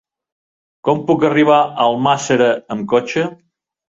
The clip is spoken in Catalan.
Com puc arribar a Almàssera amb cotxe?